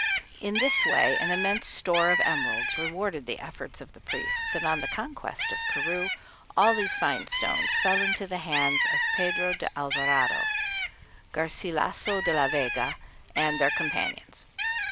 In this way an immense store of emeralds rewarded the efforts of the priests, and on the conquest of Peru all these fine stones fell into the hands of Pedro de Alvarado, Garcilasso de la Vega, and their companions.